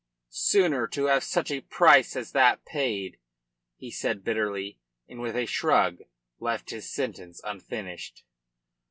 "Sooner than have such a price as that paid " he said bitterly, and with a shrug left his sentence unfinished.